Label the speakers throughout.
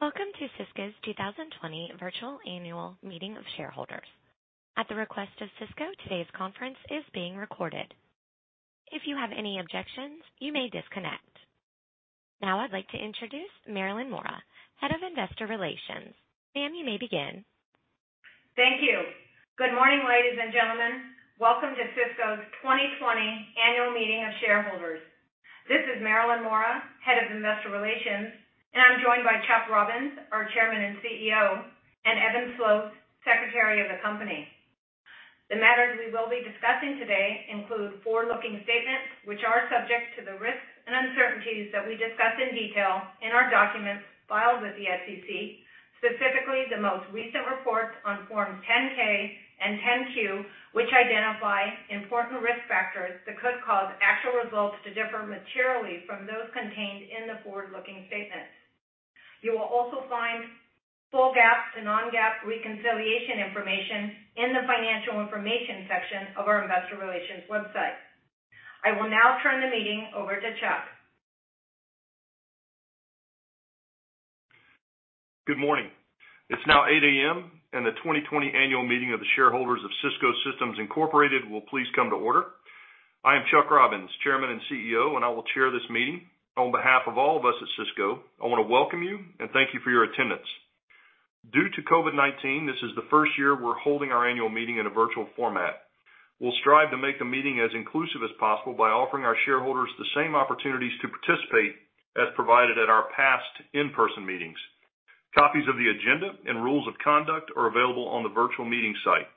Speaker 1: Welcome to Cisco's 2020 Virtual Annual Meeting of Shareholders. At the request of Cisco, today's conference is being recorded. If you have any objections, you may disconnect. Now I'd like to introduce Marilyn Mora, Head of Investor Relations. Ma'am, you may begin.
Speaker 2: Thank you. Good morning, ladies and gentlemen. Welcome to Cisco's 2020 Annual Meeting of Shareholders. This is Marilyn Mora, Head of Investor Relations, and I'm joined by Chuck Robbins, our Chairman and CEO, and Evan Slote, Secretary of the company. The matters we will be discussing today include forward-looking statements, which are subject to the risks and uncertainties that we discuss in detail in our documents filed with the SEC, specifically the most recent reports on forms 10-K and 10-Q, which identify important risk factors that could cause actual results to differ materially from those contained in the forward-looking statements. You will also find full GAAP to non-GAAP reconciliation information in the financial information section of our investor relations website. I will now turn the meeting over to Chuck.
Speaker 3: Good morning. It's now 8:00 A.M., and the 2020 Annual Meeting of the Shareholders of Cisco Systems, Inc. will please come to order. I am Chuck Robbins, Chairman and CEO, and I will chair this meeting. On behalf of all of us at Cisco, I want to welcome you and thank you for your attendance. Due to COVID-19, this is the first year we're holding our annual meeting in a virtual format. We'll strive to make the meeting as inclusive as possible by offering our shareholders the same opportunities to participate as provided at our past in-person meetings. Copies of the agenda and rules of conduct are available on the virtual meeting site.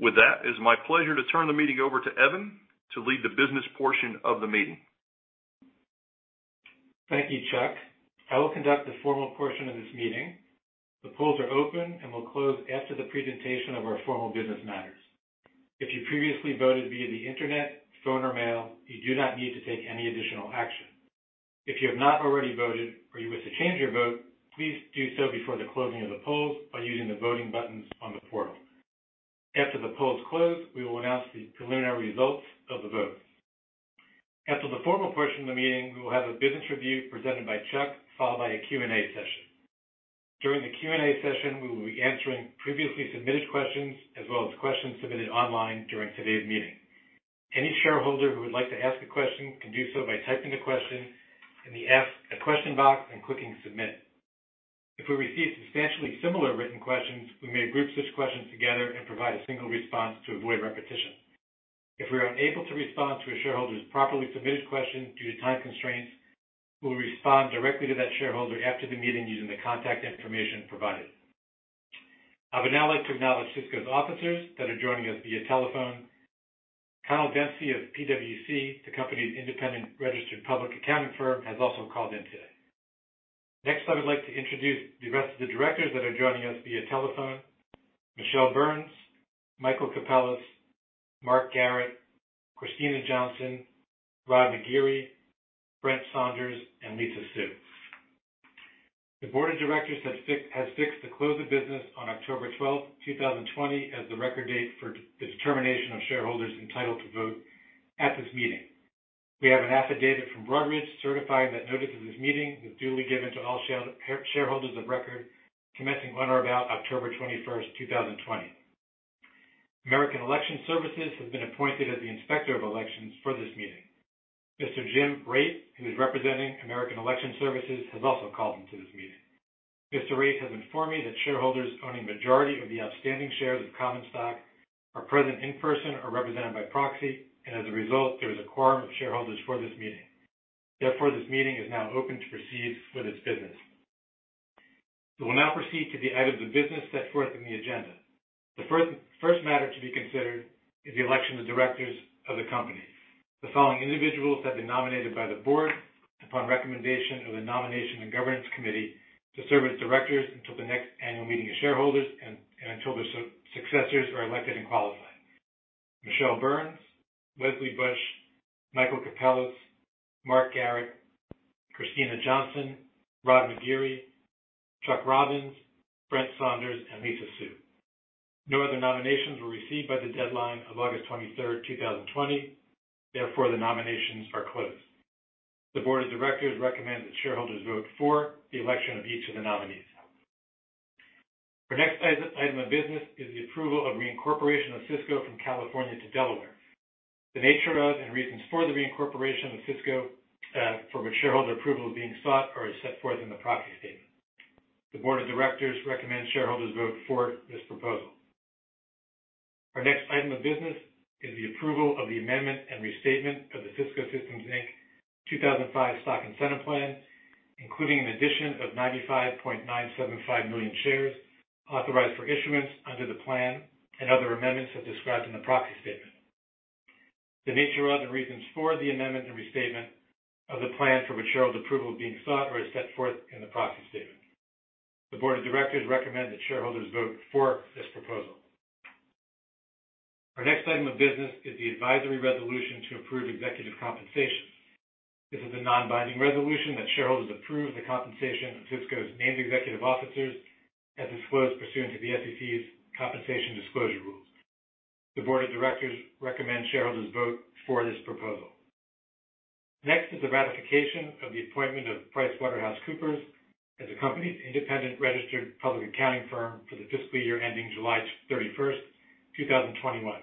Speaker 3: With that, it is my pleasure to turn the meeting over to Evan to lead the business portion of the meeting.
Speaker 4: Thank you, Chuck. I will conduct the formal portion of this meeting. The polls are open and will close after the presentation of our formal business matters. If you previously voted via the internet, phone, or mail, you do not need to take any additional action. If you have not already voted or you wish to change your vote, please do so before the closing of the polls by using the voting buttons on the portal. After the polls close, we will announce the preliminary results of the votes. After the formal portion of the meeting, we will have a business review presented by Chuck, followed by a Q&A session. During the Q&A session, we will be answering previously submitted questions as well as questions submitted online during today's meeting. Any shareholder who would like to ask a question can do so by typing the question in the ask a question box and clicking submit. If we receive substantially similar written questions, we may group such questions together and provide a single response to avoid repetition. If we are unable to respond to a shareholder's properly submitted question due to time constraints, we will respond directly to that shareholder after the meeting using the contact information provided. I would now like to acknowledge Cisco's officers that are joining us via telephone. Conall Dempsey of PwC, the company's independent registered public accounting firm, has also called in today. Next, I would like to introduce the rest of the directors that are joining us via telephone, Michele Burns, Michael Capellas, Mark Garrett, Kristina Johnson, Roderick McGeary, Brent Saunders, and Lisa Su. The board of directors has fixed the close of business on 12th October 2020, as the record date for the determination of shareholders entitled to vote at this meeting. We have an affidavit from Broadridge certifying that notices of this meeting was duly given to all shareholders of record commencing on or about 21st October 2020. American Election Services has been appointed as the inspector of elections for this meeting. Mr. Jim Raitt, who is representing American Election Services, has also called into this meeting. Mr. Raitt has informed me that shareholders owning majority of the outstanding shares of common stock are present in person or represented by proxy, and as a result, there is a quorum of shareholders for this meeting. Therefore, this meeting is now open to proceed with its business. We will now proceed to the items of business set forth in the agenda. The first matter to be considered is the election of directors of the company. The following individuals have been nominated by the Board upon recommendation of the Nomination and Governance Committee to serve as directors until the next annual meeting of shareholders and until their successors are elected and qualified. M. Michele Burns, M. Michele Burns, Michael Capellas, Mark Garrett, Kristina Johnson, Rob McGeary, Chuck Robbins, Brent Saunders, and Lisa Su. No other nominations were received by the deadline of 23rd August 2020. The nominations are closed. The Board of Directors recommend that shareholders vote for the election of each of the nominees. Our next item of business is the approval of reincorporation of Cisco from California to Delaware. The nature of and reasons for the reincorporation of Cisco, for which shareholder approval is being sought, are set forth in the proxy statement. The board of directors recommend shareholders vote for this proposal. Our next item of business is the approval of the amendment and restatement of the Cisco Systems, Inc. 2005 Stock Incentive Plan, including an addition of 95.975 million shares authorized for issuance under the plan and other amendments as described in the proxy statement. The nature of and reasons for the amendment and restatement of the plan for which shareholder approval is being sought are set forth in the proxy statement. The board of directors recommend that shareholders vote for this proposal. Our next item of business is the advisory resolution to approve executive compensation. This is a non-binding resolution that shareholders approve the compensation of Cisco's named executive officers as disclosed pursuant to the SEC's compensation disclosure rules. The board of directors recommend shareholders vote for this proposal. Next is the ratification of the appointment of PricewaterhouseCoopers as the company's independent registered public accounting firm for the fiscal year ending 31st July 2021.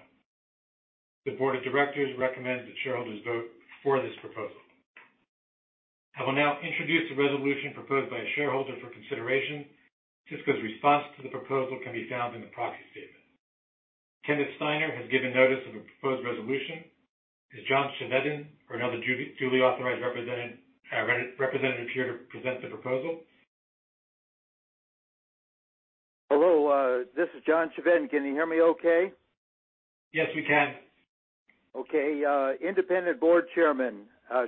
Speaker 4: The board of directors recommends that shareholders vote for this proposal. I will now introduce a resolution proposed by a shareholder for consideration. Cisco's response to the proposal can be found in the proxy statement. Kenneth Steiner has given notice of a proposed resolution. Is John Chevedden or another duly authorized representative here to present the proposal?
Speaker 5: Hello, this is John Chevedden. Can you hear me okay?
Speaker 4: Yes, we can.
Speaker 5: Okay. Independent board chairman.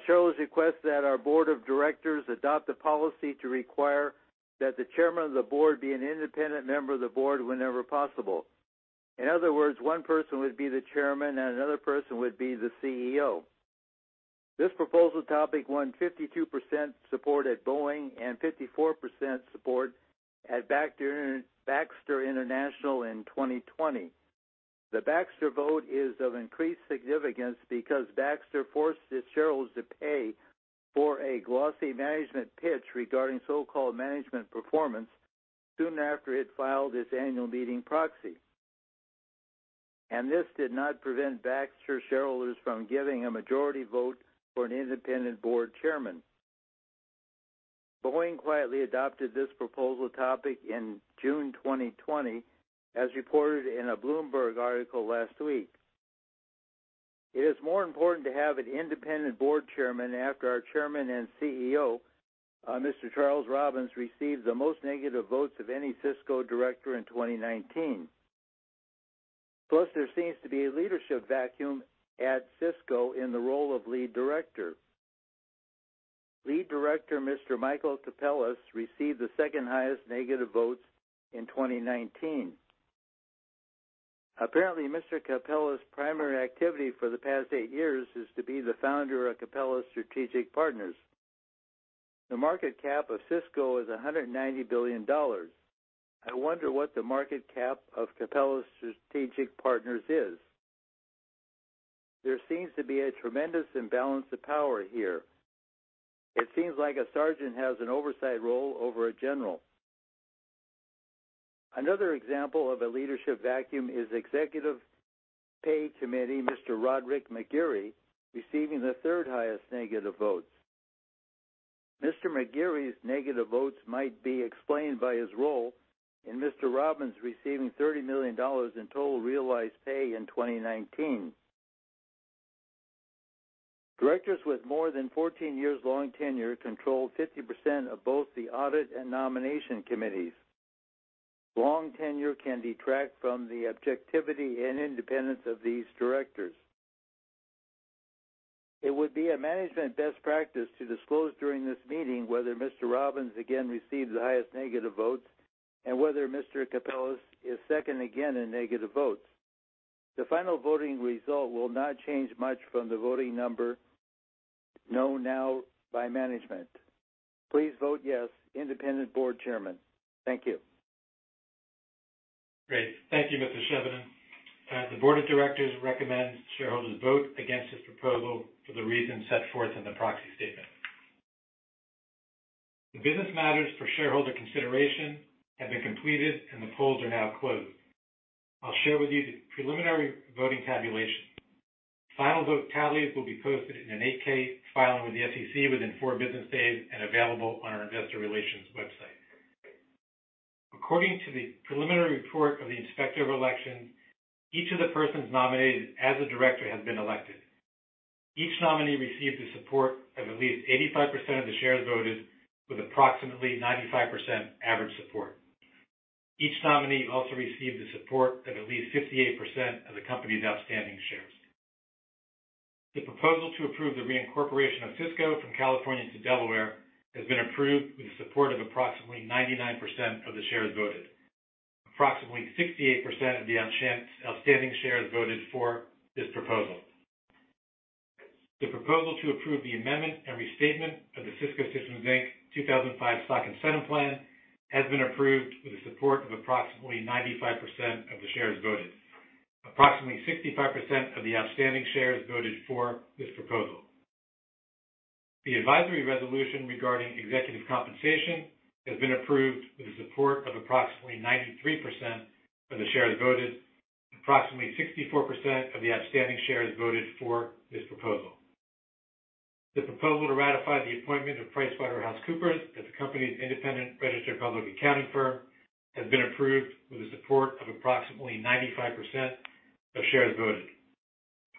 Speaker 5: Shareholders request that our board of directors adopt a policy to require that the chairman of the board be an independent member of the board whenever possible. In other words, one person would be the chairman and another person would be the CEO. This proposal topic won 52% support at Boeing and 54% support at Baxter International in 2020. The Baxter vote is of increased significance because Baxter forced its shareholders to pay for a glossy management pitch regarding so-called management performance soon after it filed its annual meeting proxy. This did not prevent Baxter shareholders from giving a majority vote for an independent board chairman. Boeing quietly adopted this proposal topic in June 2020, as reported in a Bloomberg article last week. It is more important to have an independent board chairman after our chairman and CEO, Mr. Charles Robbins, received the most negative votes of any Cisco director in 2019. Plus, there seems to be a leadership vacuum at Cisco in the role of lead director. Lead director, Mr. Michael Capellas, received the second highest negative votes in 2019. Apparently, Mr. Capellas' primary activity for the past 8 years is to be the founder of Capellas Partners. The market cap of Cisco is $190 billion. I wonder what the market cap of Capellas Partners is. There seems to be a tremendous imbalance of power here. It seems like a sergeant has an oversight role over a general. Another example of a leadership vacuum is executive pay committee, Mr. Roderick McGeary, receiving the third highest negative votes. Mr. McGeary's negative votes might be explained by his role in Mr. Robbins receiving $30 million in total realized pay in 2019. Directors with more than 14 years long tenure control 50% of both the audit and nomination committees. Long tenure can detract from the objectivity and independence of these directors. It would be a management best practice to disclose during this meeting whether Mr. Robbins again received the highest negative votes and whether Mr. Capellas is second again in negative votes. The final voting result will not change much from the voting number known now by management. Please vote yes, independent board chairman. Thank you.
Speaker 4: Great. Thank you, Mr. Chevedden. The board of directors recommends shareholders vote against this proposal for the reasons set forth in the proxy statement. The business matters for shareholder consideration have been completed, and the polls are now closed. I'll share with you the preliminary voting tabulation. Final vote tallies will be posted in an 8-K filing with the SEC within four business days and available on our investor relations website. According to the preliminary report of the Inspector of Elections, each of the persons nominated as a director has been elected. Each nominee received the support of at least 85% of the shares voted, with approximately 95% average support. Each nominee also received the support of at least 58% of the company's outstanding shares. The proposal to approve the reincorporation of Cisco from California to Delaware has been approved with the support of approximately 99% of the shares voted. Approximately 68% of the outstanding shares voted for this proposal. The proposal to approve the amendment and restatement of the Cisco Systems, Inc. 2005 Stock Incentive Plan has been approved with the support of approximately 95% of the shares voted. Approximately 65% of the outstanding shares voted for this proposal. The advisory resolution regarding executive compensation has been approved with the support of approximately 93% of the shares voted. Approximately 64% of the outstanding shares voted for this proposal. The proposal to ratify the appointment of PricewaterhouseCoopers as the company's independent registered public accounting firm has been approved with the support of approximately 95% of shares voted.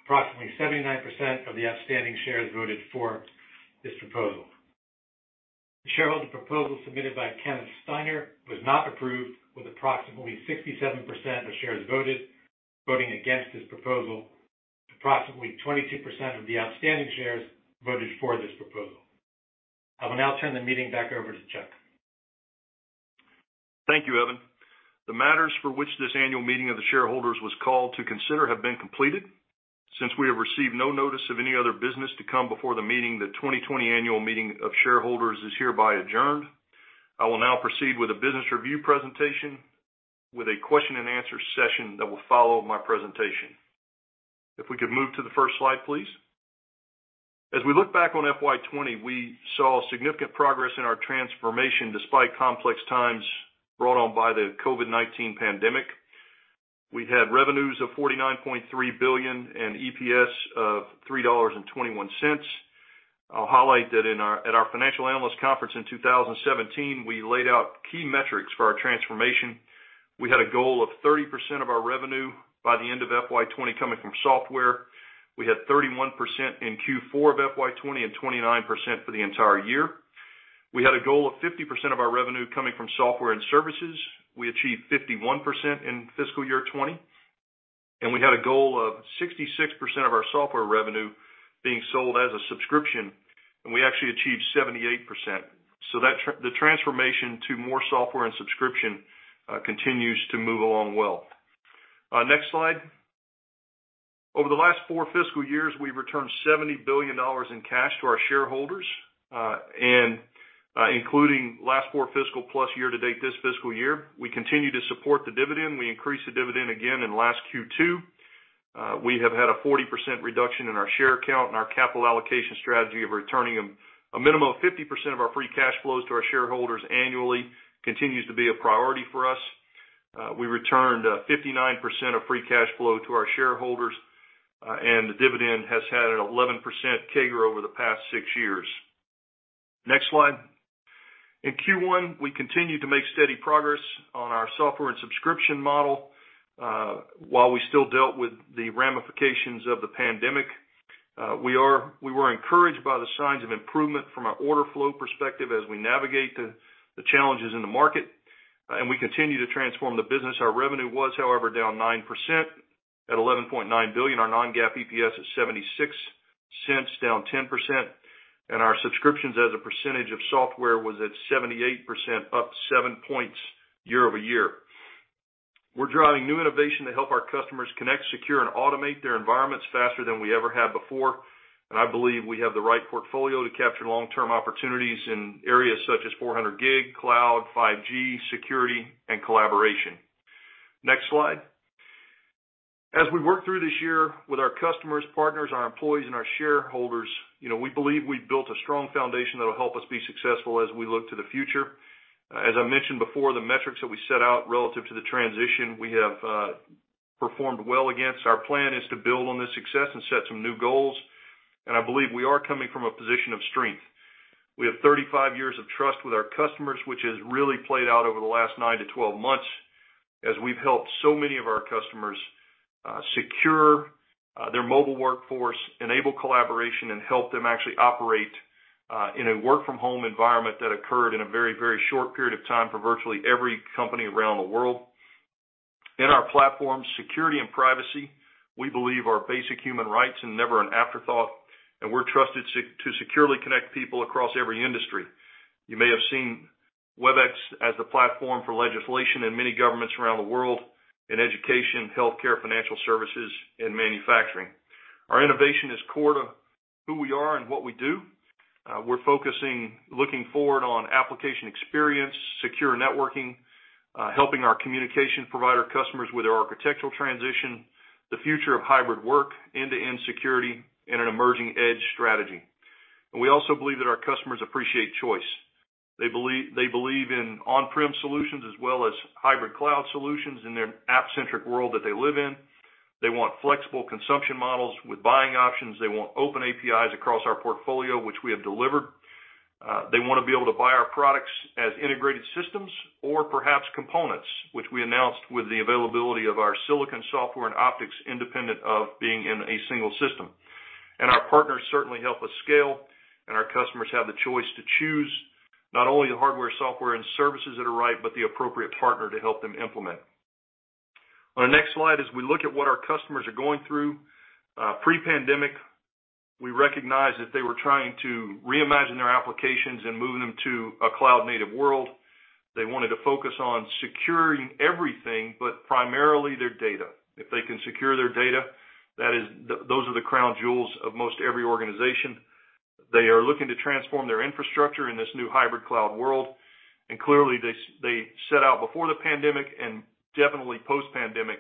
Speaker 4: Approximately 79% of the outstanding shares voted for this proposal. The shareholder proposal submitted by Kenneth Steiner was not approved with approximately 67% of shares voted, voting against this proposal. Approximately 22% of the outstanding shares voted for this proposal. I will now turn the meeting back over to Chuck.
Speaker 3: Thank you, Evan. The matters for which this annual meeting of the shareholders was called to consider have been completed. Since we have received no notice of any other business to come before the meeting, the 2020 annual meeting of shareholders is hereby adjourned. I will now proceed with a business review presentation, with a question and answer session that will follow my presentation. If we could move to the first slide, please. As we look back on FY 2020, we saw significant progress in our transformation despite complex times brought on by the COVID-19 pandemic. We had revenues of $49.3 billion and EPS of $3.21. I'll highlight that at our financial analyst conference in 2017, we laid out key metrics for our transformation. We had a goal of 30% of our revenue by the end of FY 2020 coming from software. We had 31% in Q4 of FY 2020 and 29% for the entire year. We had a goal of 50% of our revenue coming from software and services. We achieved 51% in fiscal year 2020. We had a goal of 66% of our software revenue being sold as a subscription, and we actually achieved 78%. The transformation to more software and subscription continues to move along well. Next slide. Over the last four fiscal years, we've returned $70 billion in cash to our shareholders. Including last four fiscal plus year to date this fiscal year, we continue to support the dividend. We increased the dividend again in last Q2. We have had a 40% reduction in our share count and our capital allocation strategy of returning a minimum of 50% of our free cash flows to our shareholders annually continues to be a priority for us. We returned 59% of free cash flow to our shareholders. The dividend has had an 11% CAGR over the past six years. Next slide. In Q1, we continued to make steady progress on our software and subscription model, while we still dealt with the ramifications of the pandemic. We were encouraged by the signs of improvement from an order flow perspective as we navigate the challenges in the market, and we continue to transform the business. Our revenue was, however, down 9% at $11.9 billion. Our non-GAAP EPS is $0.76, down 10%, and our subscriptions as a percentage of software was at 78%, up seven points year-over-year. We're driving new innovation to help our customers connect, secure, and automate their environments faster than we ever have before. I believe we have the right portfolio to capture long-term opportunities in areas such as 400G, cloud, 5G, security, and collaboration. Next slide. As we work through this year with our customers, partners, our employees, and our shareholders, we believe we've built a strong foundation that'll help us be successful as we look to the future. As I mentioned before, the metrics that we set out relative to the transition, we have performed well against. Our plan is to build on this success and set some new goals, and I believe we are coming from a position of strength. We have 35 years of trust with our customers, which has really played out over the last nine to 12 months as we've helped so many of our customers secure their mobile workforce, enable collaboration, and help them actually operate in a work-from-home environment that occurred in a very short period of time for virtually every company around the world. In our platform, security and privacy, we believe, are basic human rights and never an afterthought, and we're trusted to securely connect people across every industry. You may have seen Webex as the platform for legislation in many governments around the world, in education, healthcare, financial services, and manufacturing. Our innovation is core to who we are and what we do. We're focusing, looking forward on application experience, secure networking, helping our communication provider customers with their architectural transition, the future of hybrid work, end-to-end security, and an emerging edge strategy. We also believe that our customers appreciate choice. They believe in on-prem solutions as well as hybrid cloud solutions in their app-centric world that they live in. They want flexible consumption models with buying options. They want open APIs across our portfolio, which we have delivered. They want to be able to buy our products as integrated systems or perhaps components, which we announced with the availability of our silicon software and optics independent of being in a single system. Our partners certainly help us scale, and our customers have the choice to choose not only the hardware, software, and services that are right, but the appropriate partner to help them implement. On the next slide, as we look at what our customers are going through, pre-pandemic, we recognized that they were trying to reimagine their applications and move them to a cloud-native world. They wanted to focus on securing everything, but primarily their data. If they can secure their data, those are the crown jewels of most every organization. They are looking to transform their infrastructure in this new hybrid cloud world. Clearly, they set out before the pandemic and definitely post-pandemic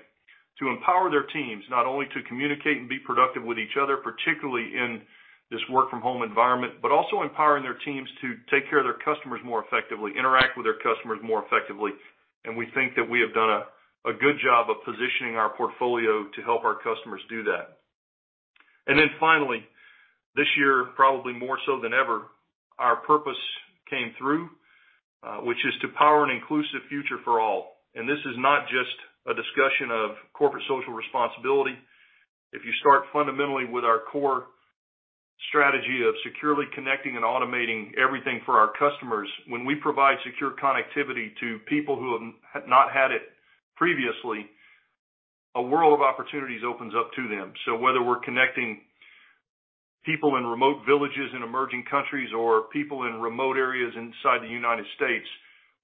Speaker 3: to empower their teams, not only to communicate and be productive with each other, particularly in this work-from-home environment, but also empowering their teams to take care of their customers more effectively, interact with their customers more effectively. We think that we have done a good job of positioning our portfolio to help our customers do that. Finally, this year, probably more so than ever, our purpose came through, which is to power an inclusive future for all. This is not just a discussion of corporate social responsibility. If you start fundamentally with our core strategy of securely connecting and automating everything for our customers, when we provide secure connectivity to people who have not had it previously, a world of opportunities opens up to them. Whether we're connecting people in remote villages in emerging countries or people in remote areas inside the U.S.,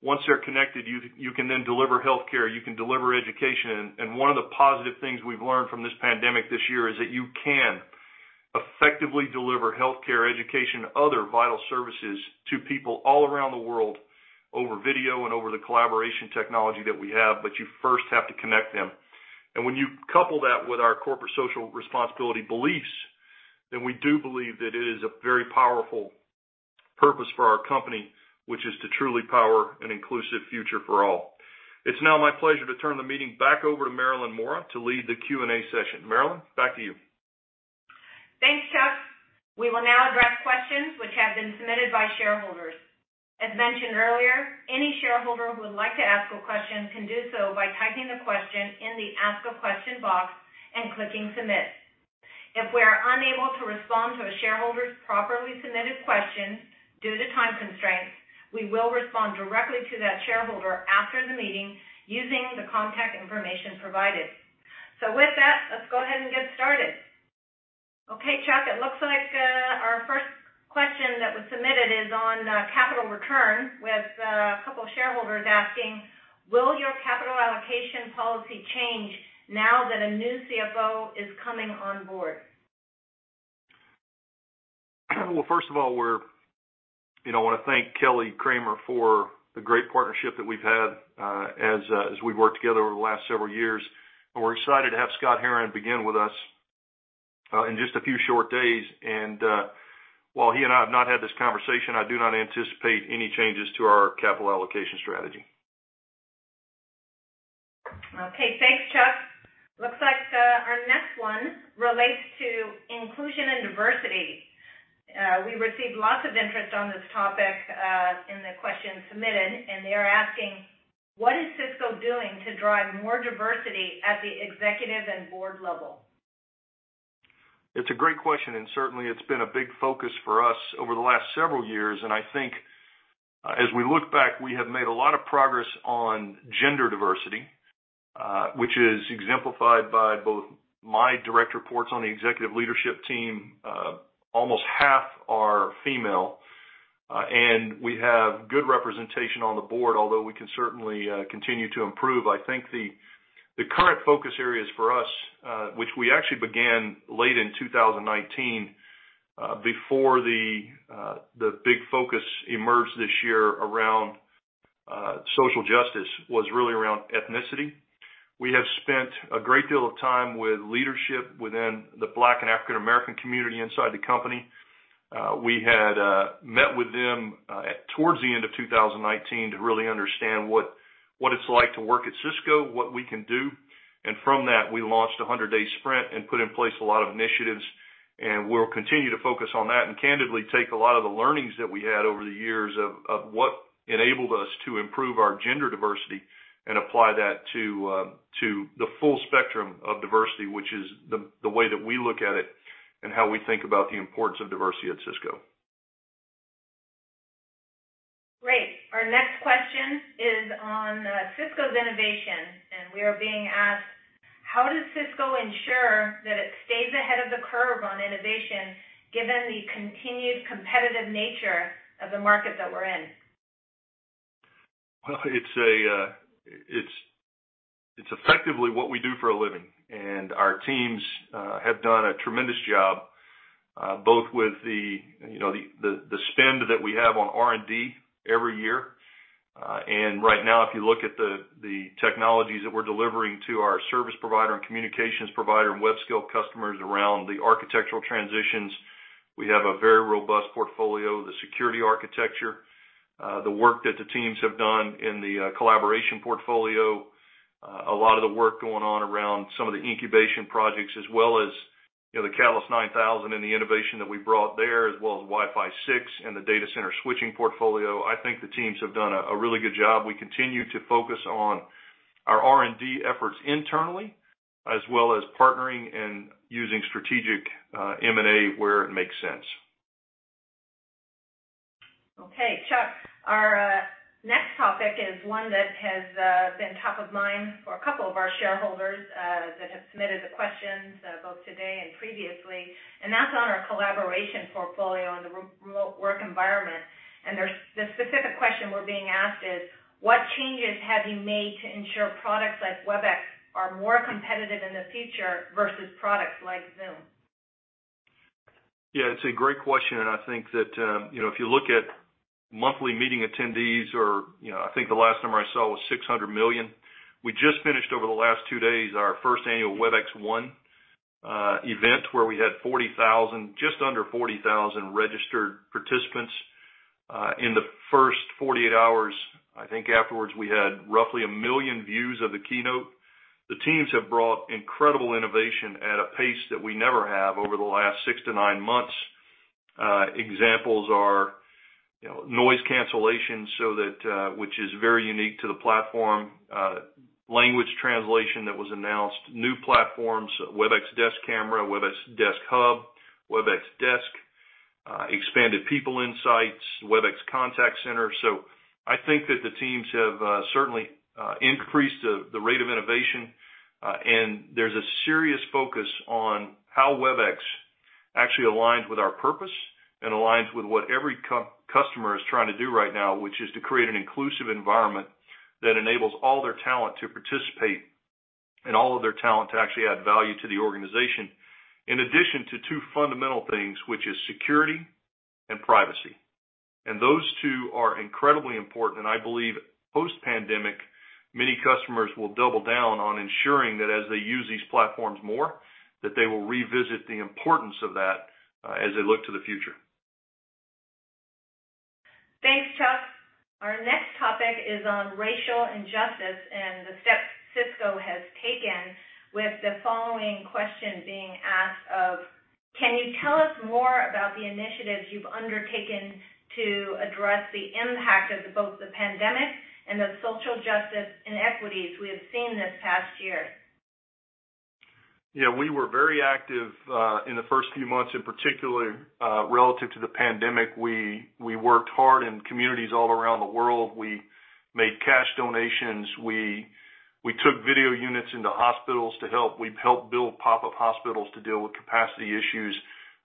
Speaker 3: once they're connected, you can then deliver healthcare, you can deliver education. One of the positive things we've learned from this pandemic this year is that you can effectively deliver healthcare, education, and other vital services to people all around the world over video and over the collaboration technology that we have, but you first have to connect them. When you couple that with our corporate social responsibility beliefs, then we do believe that it is a very powerful purpose for our company, which is to truly power an inclusive future for all. It's now my pleasure to turn the meeting back over to Marilyn Mora to lead the Q&A session. Marilyn, back to you.
Speaker 2: Thanks, Chuck. We will now address questions which have been submitted by shareholders. As mentioned earlier, any shareholder who would like to ask a question can do so by typing the question in the Ask a Question box and clicking Submit. If we are unable to respond to a shareholder's properly submitted question due to time constraints, we will respond directly to that shareholder after the meeting using the contact information provided. With that, let's go ahead and get started. Okay, Chuck, it looks like our first question that was submitted is on capital return with a couple shareholders asking, "Will your capital allocation policy change now that a new CFO is coming on board?
Speaker 3: First of all, I want to thank Kelly Kramer for the great partnership that we've had as we've worked together over the last several years, and we're excited to have Scott Herren begin with us, in just a few short days. While he and I have not had this conversation, I do not anticipate any changes to our capital allocation strategy.
Speaker 2: Okay, thanks, Chuck. Looks like our next one relates to inclusion and diversity. We received lots of interest on this topic in the questions submitted, and they are asking, "What is Cisco doing to drive more diversity at the executive and board level?
Speaker 3: It's a great question, and certainly, it's been a big focus for us over the last several years. I think as we look back, we have made a lot of progress on gender diversity, which is exemplified by both my direct reports on the executive leadership team. Almost half are female. We have good representation on the board, although we can certainly continue to improve. I think the current focus areas for us, which we actually began late in 2019, before the big focus emerged this year around social justice, was really around ethnicity. We have spent a great deal of time with leadership within the Black and African American community inside the company. We had met with them towards the end of 2019 to really understand what it's like to work at Cisco, what we can do.. From that, we launched the 100 Day Sprint and put in place a lot of initiatives, and we'll continue to focus on that and candidly take a lot of the learnings that we had over the years of what enabled us to improve our gender diversity and apply that to the full spectrum of diversity, which is the way that we look at it and how we think about the importance of diversity at Cisco.
Speaker 2: Great. Our next question is on Cisco's innovation, and we are being asked, "How does Cisco ensure that it stays ahead of the curve on innovation given the continued competitive nature of the market that we're in?
Speaker 3: Well, it's effectively what we do for a living. Our teams have done a tremendous job both with the spend that we have on R&D every year. Right now, if you look at the technologies that we're delivering to our service provider and communications provider and webscale customers around the architectural transitions, we have a very robust portfolio. The security architecture, the work that the teams have done in the collaboration portfolio, a lot of the work going on around some of the incubation projects as well as the Catalyst 9000 and the innovation that we brought there, as well as Wi-Fi six and the data center switching portfolio. I think the teams have done a really good job. We continue to focus on our R&D efforts internally, as well as partnering and using strategic M&A where it makes sense.
Speaker 2: Okay, Chuck, our next topic is one that has been top of mind for a couple of our shareholders that have submitted the questions both today and previously, and that's on our collaboration portfolio and the remote work environment. The specific question we're being asked is, "What changes have you made to ensure products like Webex are more competitive in the future versus products like Zoom?
Speaker 3: Yeah, it's a great question. I think that if you look at monthly meeting attendees or I think the last number I saw was $600 million. We just finished over the last two days our first annual WebexOne event, where we had just under 40,000 registered participants in the first 48 hours. I think afterwards, we had roughly 1 million views of the keynote. The teams have brought incredible innovation at a pace that we never have over the last six to nine months. Examples are noise cancellation, which is very unique to the platform, language translation that was announced, new platforms, Webex Desk Camera, Webex Desk Hub, Webex Desk-Expanded people insights, Webex Contact Center. I think that the teams have certainly increased the rate of innovation, and there's a serious focus on how Webex actually aligns with our purpose and aligns with what every customer is trying to do right now, which is to create an inclusive environment that enables all their talent to participate, and all of their talent to actually add value to the organization. In addition to two fundamental things, which is security and privacy. Those two are incredibly important, and I believe post-pandemic, many customers will double down on ensuring that as they use these platforms more, that they will revisit the importance of that as they look to the future.
Speaker 2: Thanks, Chuck. Our next topic is on racial injustice and the steps Cisco has taken with the following question being asked of: can you tell us more about the initiatives you've undertaken to address the impact of both the pandemic and the social justice inequities we have seen this past year?
Speaker 3: Yeah, we were very active, in the first few months in particular, relative to the pandemic. We worked hard in communities all around the world. We made cash donations. We took video units into hospitals to help. We helped build pop-up hospitals to deal with capacity issues.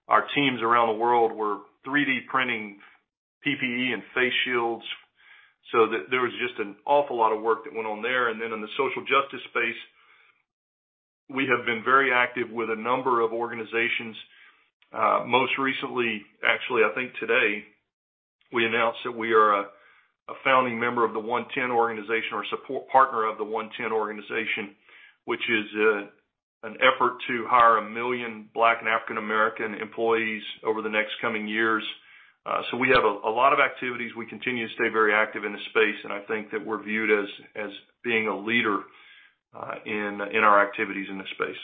Speaker 3: Our teams around the world were 3D printing PPE and face shields. There was just an awful lot of work that went on there. In the social justice space, we have been very active with a number of organizations. Most recently, actually, I think today, we announced that we are a founding member of the OneTen organization or support partner of the OneTen organization, which is an effort to hire 1 million Black and African American employees over the next coming years. We have a lot of activities. We continue to stay very active in the space, and I think that we're viewed as being a leader in our activities in this space.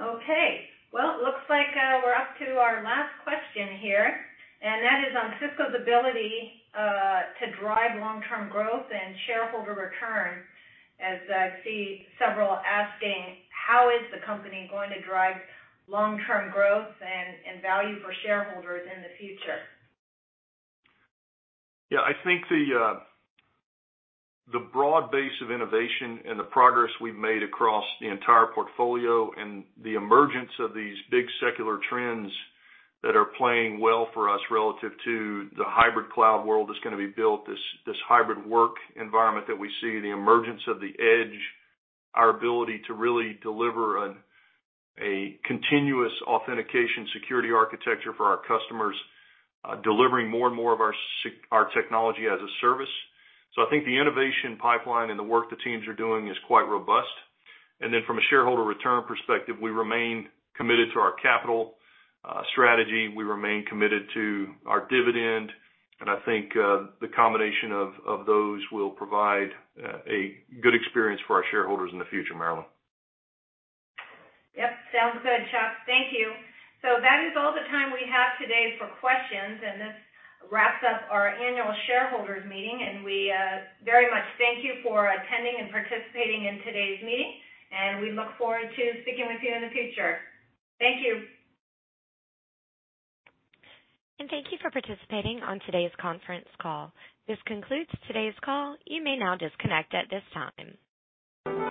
Speaker 2: Okay. Well, looks like we're up to our last question here, and that is on Cisco's ability to drive long-term growth and shareholder return, as I see several asking, how is the company going to drive long-term growth and value for shareholders in the future?
Speaker 3: I think the broad base of innovation and the progress we've made across the entire portfolio and the emergence of these big secular trends that are playing well for us relative to the hybrid cloud world that's going to be built, this hybrid work environment that we see, the emergence of the edge, our ability to really deliver a continuous authentication security architecture for our customers, delivering more and more of our technology as a service. I think the innovation pipeline and the work the teams are doing is quite robust. From a shareholder return perspective, we remain committed to our capital strategy. We remain committed to our dividend. I think the combination of those will provide a good experience for our shareholders in the future, Marilyn.
Speaker 2: Yep, sounds good, Chuck. Thank you. That is all the time we have today for questions, and this wraps up our annual shareholders meeting. We very much thank you for attending and participating in today's meeting, and we look forward to speaking with you in the future. Thank you.
Speaker 1: Thank you for participating on today's Conference call. This concludes today's call. You may now disconnect at this time.